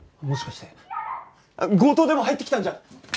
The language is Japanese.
もしかして強盗でも入ってきたんじゃ？